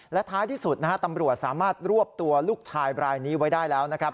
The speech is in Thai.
และท้ายที่สุดตำรวจสามารถรวบตัวลูกชายรายนี้ไว้ได้แล้ว